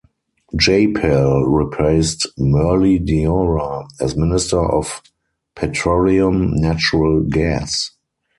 Jaipal replaced Murli Deora as minister of petroleum natural gas.